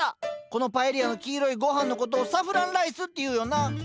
このパエリアの黄色いごはんのことをサフランライスっていうよな。